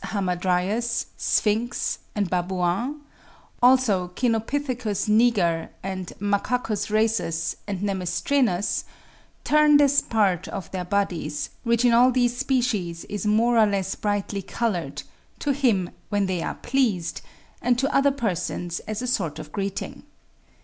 hamadryas, sphinx, and babouin), also Cynopithecus niger, and Macacus rhesus and nemestrinus, turn this part of their bodies, which in all these species is more or less brightly coloured, to him when they are pleased, and to other persons as a sort of greeting.